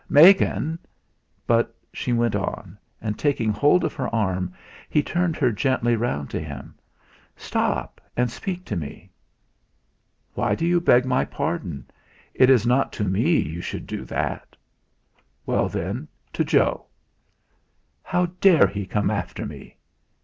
"Megan!" But she went on; and taking hold of her arm, he turned her gently round to him. "Stop and speak to me." "Why do you beg my pardon? It is not to me you should do that." "Well, then, to Joe." "How dare he come after me?"